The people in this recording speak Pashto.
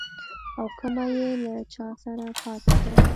او کومه يې له چا سره پاته ده.